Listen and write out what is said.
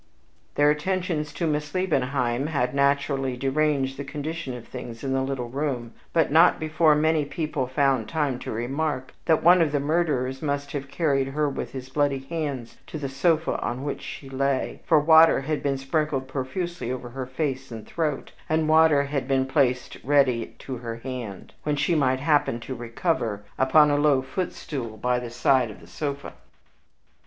Their attentions to Miss Liebenheim had naturally deranged the condition of things in the little room, but not before many people found time to remark that one of the murderers must have carried her with his bloody hands to the sofa on which she lay, for water had been sprinkled profusely over her face and throat, and water was even placed ready to her hand, when she might happen to recover, upon a low foot stool by the side of the sofa.